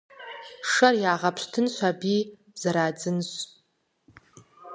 Шэр ягъэпщтынщ аби зэрадзынщ.